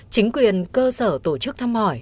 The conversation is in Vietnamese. chính quyền cơ sở tổ chức thăm hỏi